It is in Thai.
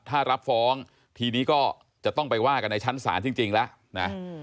ถ้ารับฟ้องทีนี้ก็จะต้องไปว่ากันในชั้นศาลจริงแล้วนะ